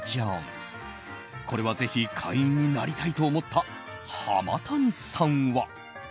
これはぜひ会員になりたいと思った浜谷さんは。